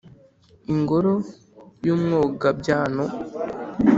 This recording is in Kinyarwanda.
ingoro y’ umwogabyano